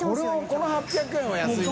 この８００円は安いな。